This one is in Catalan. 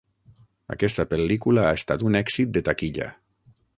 Aquesta pel·lícula ha estat un èxit de taquilla.